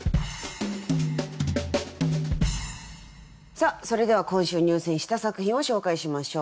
さあそれでは今週入選した作品を紹介しましょう。